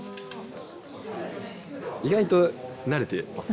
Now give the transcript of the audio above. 意外と慣れてます